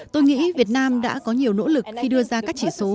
tôi nghĩ việt nam đã có nhiều nỗ lực khi đưa ra các chỉ số